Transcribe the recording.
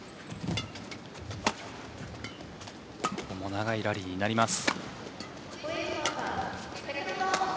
長いラリーになります。